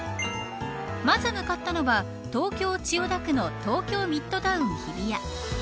まず、向かったのは東京、千代田区の東京ミッドタウン日比谷。